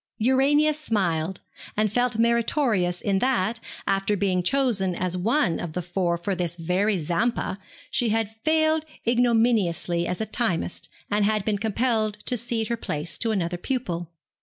Urania smiled, and felt meritorious in that, after being chosen as one of the four for this very 'Zampa,' she had failed ignominiously as a timist, and had been compelled to cede her place to another pupil.